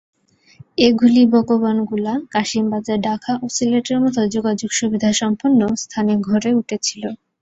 এগুলি ভগবানগোলা, কাসিমবাজার, ঢাকা ও সিলেটের মতো যোগাযোগ সুবিধাসম্পন্ন স্থানে গড়ে উঠেছিল।